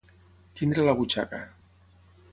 Tenir a la butxaca.